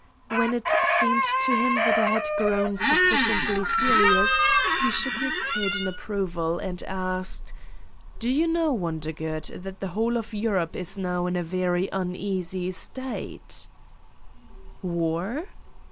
When it seemed to him that I had grown sufficiently serious he shook his head in approval and asked: "Do you know, Wondergood, that the whole of Europe is now in a very uneasy state I '' "War?"